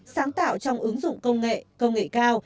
sáng tạo trong ứng dụng công nghệ công nghệ cao